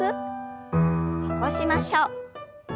起こしましょう。